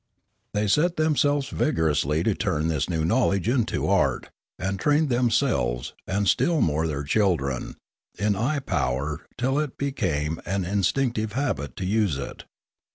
They set themselves vigorously to turn this new knowledge into art, and trained themselves, and still more their children, in eye power till it became an in stinctive habit to use it.